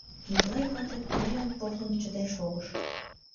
Миклай вате пӱйым пурлын чытен шогыш.